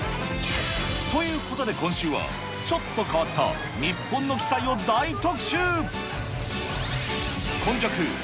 ということで今週は、ちょっと変わった日本の奇祭を大特集！